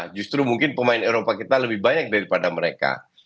justru mungkin pemain eropa kita lebih banyak daripada mereka